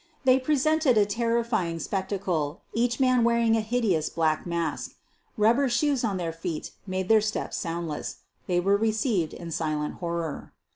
They presented a terrifying spectacle, each man wearing a hideous black mask. Rubber shoes on their feet made their steps noiseless. They were received in silent horror.